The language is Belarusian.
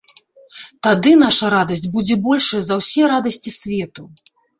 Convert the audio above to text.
Тады наша радасць будзе большая за ўсе радасці свету.